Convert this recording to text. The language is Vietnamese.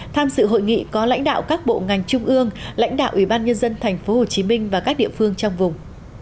tham dự hội nghị có lãnh đạo các bộ ngành trung ương lãnh đạo ủy ban nhân dân tp hcm và các địa phương trong vùng